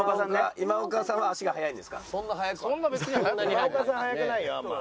今岡さん速くないよあんま。